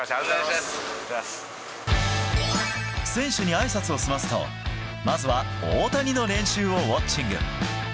マイアミ選手にあいさつを済ますと、まずは大谷の練習をウォッチング。